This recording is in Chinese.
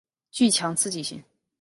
具强刺激性。